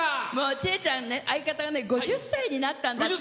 知枝ちゃん、相方が５０歳になったんだって。